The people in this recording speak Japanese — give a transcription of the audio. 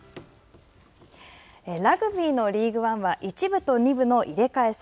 ラグビーのリーグワンは１部と２部の入れ替え戦。